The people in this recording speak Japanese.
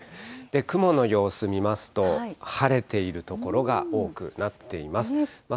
雲の様子見ますと、晴れている所が多くなっています。